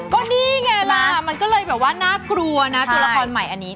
ก็นี่ไงล่ะมันก็เลยแบบว่าน่ากลัวนะตัวละครใหม่อันนี้